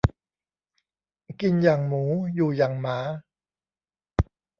กินอย่างหมู อยู่อย่างหมา